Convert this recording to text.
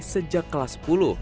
sejak kelas sepuluh